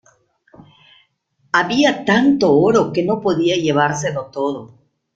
Había tanto oro que no podía llevárselo todo.